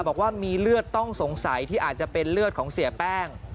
บอกว่ามีเลือดต้องสงสัยที่อาจจะเป็นเลือดของเสียแป้ง